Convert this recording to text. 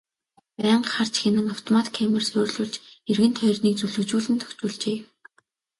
Байнга харж хянах автомат камер суурилуулж эргэн тойрныг зүлэгжүүлэн тохижуулжээ.